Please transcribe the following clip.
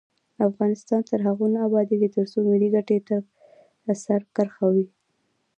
افغانستان تر هغو نه ابادیږي، ترڅو ملي ګټې سر کرښه وي.